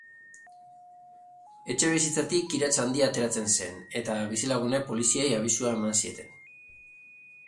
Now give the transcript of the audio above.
Etxebizitzatik kirats handia ateratzen zen, eta bizilagunek poliziei abisua eman zieten.